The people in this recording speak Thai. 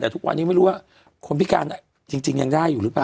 แต่ทุกวันนี้ไม่รู้ว่าคนพิการจริงยังได้อยู่หรือเปล่า